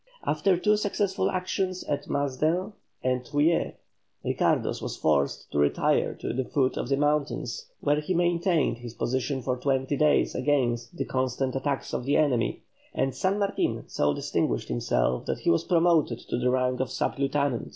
After two successful actions at Masden and Truilles, Ricardos was forced to retire to the foot of the mountains, where he maintained his position for twenty days against the constant attacks of the enemy, and San Martin so distinguished himself that he was promoted to the rank of sub lieutenant.